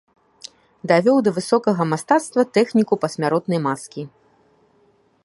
Давёў да высокага мастацтва тэхніку пасмяротнай маскі.